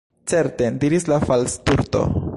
"Certe," diris la Falsturto.